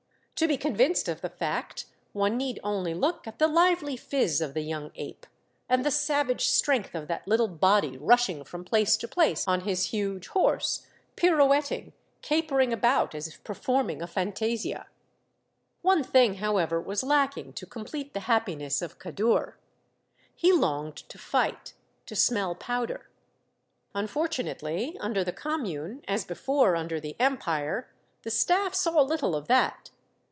To be convinced of the fact, one need only look at the lively phiz of the young ape, and the savage strength of thac little body rushing from place to place on his huge horse, pirouetting, capering alpout as if performing a fantasia. One thing, however, was lacking to complete the happiness of Kadour. He longed to fight, to smell powder. Unfortunately, under the Commune, as before under the Empire, the staff saw little of that.